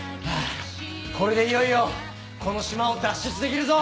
これでいよいよこの島を脱出できるぞ！